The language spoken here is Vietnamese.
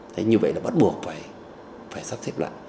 thế như vậy là bắt buộc phải sắp xếp lại